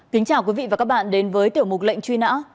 kính chào quý vị và các bạn đến với tiểu mục lệnh truy nã